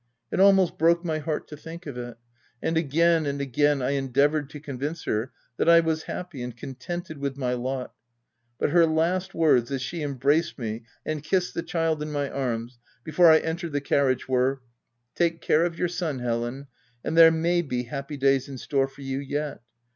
— It almost broke my heart to think of it ; and again and again I endea voured to convince her that I was happy and contented with my lot ; but her last words, as she embraced me and kissed the child in my arms, before I entered the carriage, were, —" Take care of your son, Helen, and there may be happy days in store for you, yet.